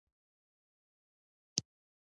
افغانستان د ژبو له پلوه له هېوادونو سره اړیکې لري.